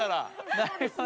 なるほどね。